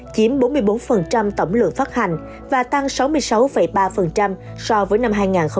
chiếm bốn mươi bốn tổng lượng phát hành và tăng sáu mươi sáu ba so với năm hai nghìn một mươi bảy